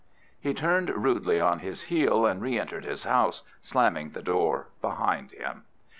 He turned rudely on his heel and re entered his house, slamming the door behind him.